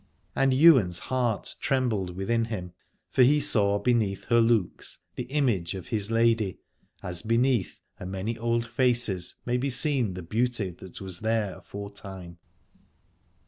And Ywain's heart trem bled within him, for he saw beneath her looks the image of his lady, as beneath a many old faces may be seen the beauty that was there aforetime.